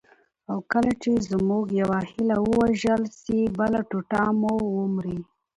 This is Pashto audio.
او کله چي زموږ یوه هیله ووژل سي، بله ټوټه مو ومري.